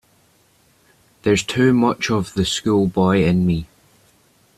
There's too much of the schoolboy in me.